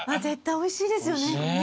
絶対おいしいですよね。